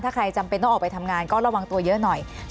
ถ้าใครจำเป็นต้องออกไปทำงานก็ระวังตัวเยอะหน่อย